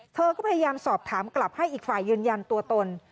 เธอก็พยายามสอบถามกลับให้อีกฝ่ายยืนยันตัวตน